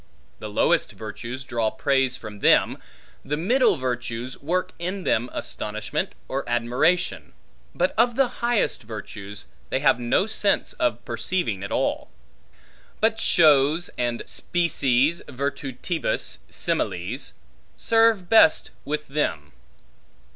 The lowest virtues draw praise from them; the middle virtues work in them astonishment or admiration; but of the highest virtues, they have no sense of perceiving at all. But shows, and species virtutibus similes, serve best with them.